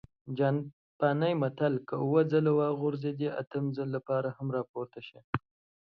جاپانى متل: که اووه ځل وغورځېدې، اتم ځل لپاره هم راپورته شه!